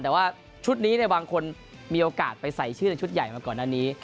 แต่ว่าชุดนี้บางคนมีโอกาสไปใส่ชื่อในชุดใหญ่มาก่อนหน้านี้